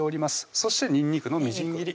そしてにんにくのみじん切り